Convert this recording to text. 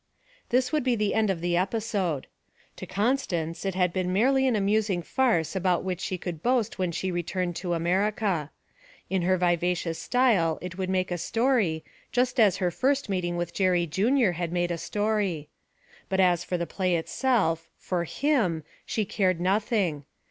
This would be the end of the episode. To Constance, it had been merely an amusing farce about which she could boast when she returned to America. In her vivacious style it would make a story, just as her first meeting with Jerry Junior had made a story. But as for the play itself, for him, she cared nothing.